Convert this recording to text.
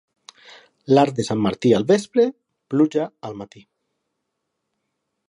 L'arc de sant Martí al vespre, pluja al matí.